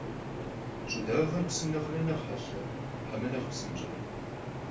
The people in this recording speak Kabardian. ЩӀыдагъэр псым нэхърэ нэхъ хьэлъэ хьэмэрэ нэхъ псынщӀэ?